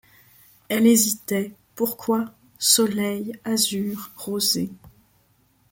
Elle hésitait. Pourquoi ? Soleil, azur, rosées